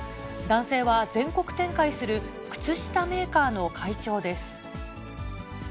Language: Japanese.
男性は、全国展開する靴下メーカーの会長です。